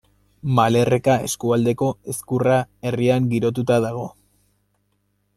Malerreka eskualdeko Ezkurra herrian girotuta dago.